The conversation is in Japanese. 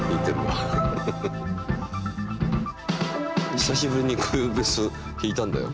久しぶりにこういうベース弾いたんだよ